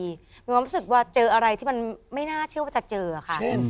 มีความรู้สึกว่าเจออะไรที่มันไม่น่าเชื่อว่าจะเจอค่ะ